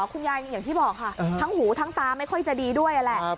คุณยายอย่างที่บอกค่ะทั้งหูทั้งตาไม่ค่อยจะดีด้วยแหละ